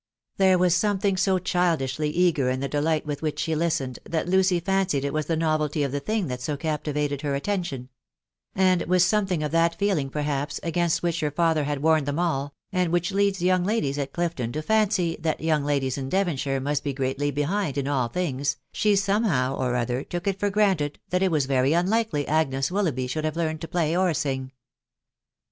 These was something a* childishly eager hi the delight wish which the listened, that Lucy fancied it was the nwveUy of the thing that so captivated her attention; and with something of that feeling, perhaps* against which her father had warned them all, and which leads young ladies at Clifton to &n«y that young laches fa Devonshire must he greatly behind hand in all things* she somehow or other took it for granted that it was very unlikely Agnes Willsughby should bare learned to play or akig.